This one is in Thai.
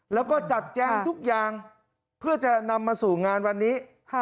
แล้วก็จัดแจ้งทุกอย่างเพื่อจะนำมาสู่งานวันนี้